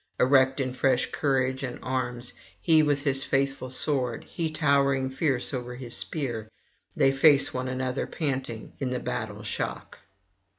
Erect in fresh courage and arms, he with his faithful sword, he towering fierce over his spear, they face one another panting in the battle shock.